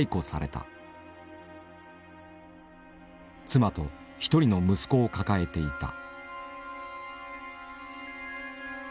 妻と１人の息子を抱えていた。